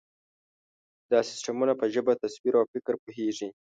دا سیسټمونه په ژبه، تصویر، او فکر پوهېږي.